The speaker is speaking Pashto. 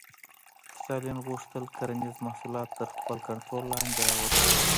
ستالین غوښتل کرنیز محصولات تر خپل کنټرول لاندې راولي.